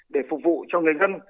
để phục vụ cho người dân